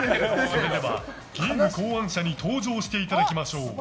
それではゲーム考案者に登場していただきましょう。